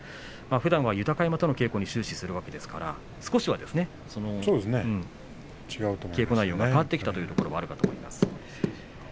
ふだんは豊山との稽古に終始するわけですから少しはですね稽古内容が変わってきたというところもあると思います。